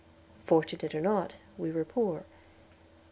Fortunate or not, we were poor.